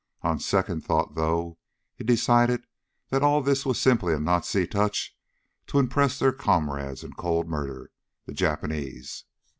On second thought, though, he decided that all this was simply a Nazi touch to impress their comrades in cold murder, the Japanese.